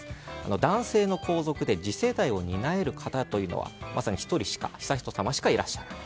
男性の皇族で次世代を担える方はまさに１人、悠仁さましかいらっしゃらない。